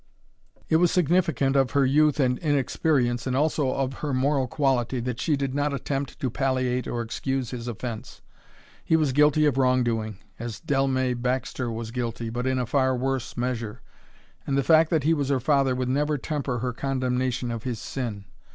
It was significant of her youth and inexperience, and also of her moral quality, that she did not attempt to palliate or excuse his offence. He was guilty of wrongdoing, as Dellmey Baxter was guilty, but in a far worse measure, and the fact that he was her father would never temper her condemnation of his sin.